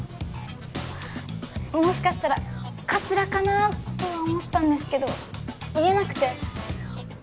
もしかしたらカツラかな？とは思ったんですけど言えなくて。